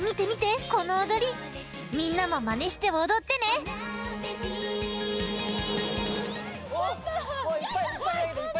みんなもまねしておどってねポッポ！